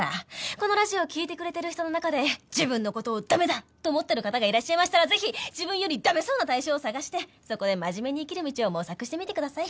このラジオを聞いてくれてる人の中で自分の事をダメだと思ってる方がいらっしゃいましたらぜひ自分よりダメそうな対象を探してそこで真面目に生きる道を模索してみてください。